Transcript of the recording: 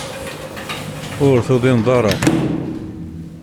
Ur tuḍineḍ ara.